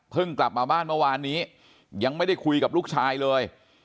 กลับมาบ้านเมื่อวานนี้ยังไม่ได้คุยกับลูกชายเลย